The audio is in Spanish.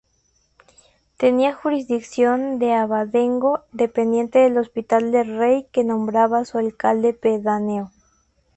Tenía jurisdicción de abadengo dependiente del Hospital del Rey que nombraba su alcalde pedáneo.